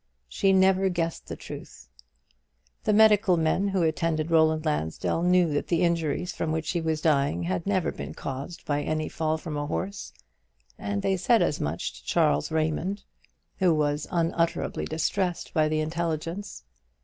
She never guessed the truth. The medical men who attended Roland Lansdell knew that the injuries from which he was dying had never been caused by any fall from a horse; and they said as much to Charles Raymond, who was unutterably distressed by the intelligence.